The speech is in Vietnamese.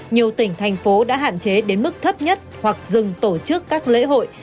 nhiều tỉnh thành phố đã hạn chế đến mức thấp nhất hoặc dừng tổ chức các lễ hội